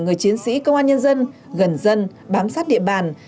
người chiến sĩ công an nhân dân gần dân bám sát địa bàn